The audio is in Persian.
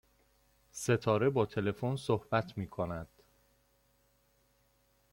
ستاره با تلفن صحبت می کند